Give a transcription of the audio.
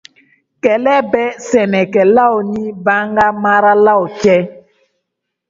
Kɛlɛ bɛ sɛnɛkɛlaw ni baganmaralaw cɛ.